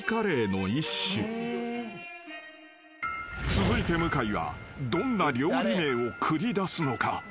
［続いて向井はどんな料理名を繰り出すのか？］